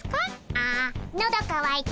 あのどかわいた。